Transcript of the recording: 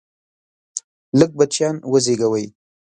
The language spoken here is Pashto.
لږ بچیان وزیږوئ!